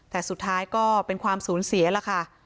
แต่สุดท้ายก็เป็นความสูญเสียล่ะค่ะ